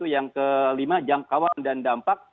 yang kelima jangkauan dan dampak